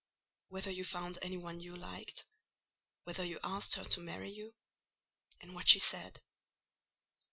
"Whether you found any one you liked: whether you asked her to marry you; and what she said."